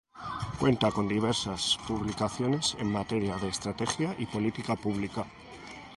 Cuenta con diversas publicaciones en materia de estrategia y política pública.